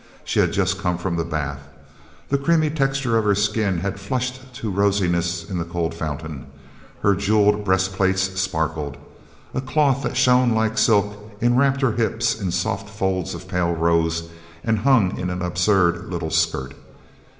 She had just come from the bath. The creamy texture of her skin had flushed to rosiness in the cold fountain. Her jeweled breast plates sparkled. A cloth that shone like silk enwrapped her hips in soft folds of pale rose and hung in an absurd little skirt.